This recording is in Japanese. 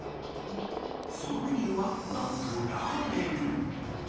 そのメニューはなんとラーメン？